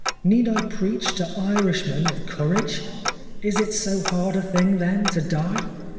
need I preach to Irishmen of courage ? Is it so hard a thing then to die